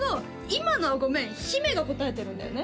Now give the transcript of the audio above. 今のはごめん姫が答えてるんだよね？